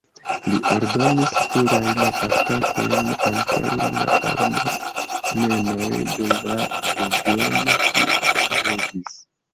Li ordonis plurajn atakojn kontraŭ la armenoj de la regiono kiun li regis.